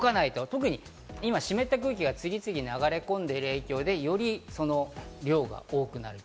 特に今、湿った空気が次々流れ込んでいる影響でより量が多くなる。